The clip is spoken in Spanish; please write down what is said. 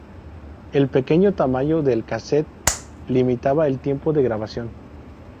El pequeño tamaño del cassette limitaba el tiempo de grabación.